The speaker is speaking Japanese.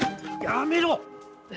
やめろ！